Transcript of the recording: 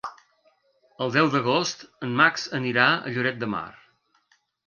El deu d'agost en Max anirà a Lloret de Mar.